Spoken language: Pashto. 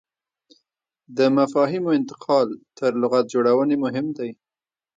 د مفاهیمو انتقال تر لغت جوړونې مهم دی.